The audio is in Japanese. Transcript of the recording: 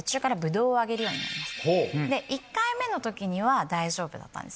１回目の時には大丈夫だったんですね。